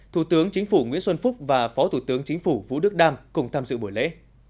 thủ tướng chính phủ nguyễn xuân phúc và phó thủ tướng chính phủ vũ đức đam cùng tham dự buổi lễ